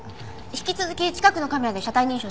引き続き近くのカメラで車体認証します。